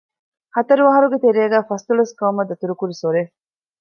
ހަތަރު އަަހަރުގެ ތެރޭގައި ފަސްދޮޅަސް ގައުމަށް ދަތުރު ކުރި ސޮރެއް